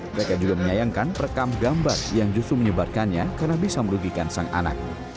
mereka juga menyayangkan perekam gambar yang justru menyebarkannya karena bisa merugikan sang anak